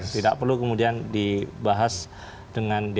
tidak perlu kemudian dibahas dengan dpr lah